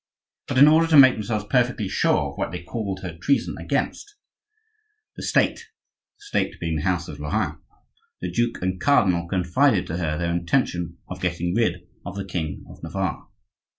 But in order to make themselves perfectly sure of what they called her treason against the State (the State being the house of Lorraine), the duke and cardinal confided to her their intention of getting rid of the king of Navarre.